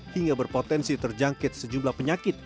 hingga berpotensi terjangkit sejumlah penyakit